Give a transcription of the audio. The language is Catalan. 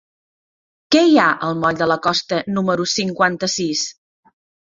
Què hi ha al moll de la Costa número cinquanta-sis?